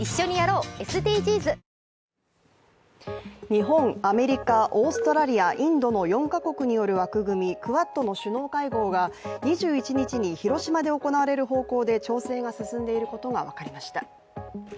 日本、アメリカ、オーストラリア、インドの４か国による枠組み、クアッドの首脳会合が２１日に広島で行われる方向で調整が進んでいることが分かりました。